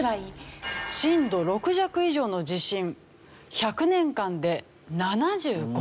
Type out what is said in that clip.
震度６弱以上の地震１００年間で７５回。